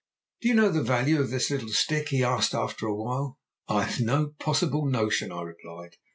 "'Do you know the value of this little stick?' he asked after a while. "'I have no possible notion,' I replied.